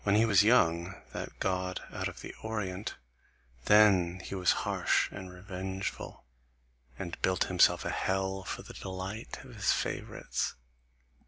When he was young, that God out of the Orient, then was he harsh and revengeful, and built himself a hell for the delight of his favourites.